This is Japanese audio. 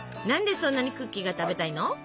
何でそんなにクッキーが食べたいの？